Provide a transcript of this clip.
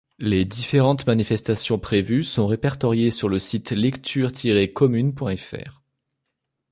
Les différentes manifestations prévues sont répertoriées sur le site lectures-communes.fr.